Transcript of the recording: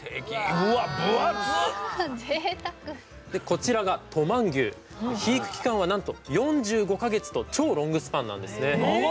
こちらが肥育期間はなんと４５か月と超ロングスパンなんですね。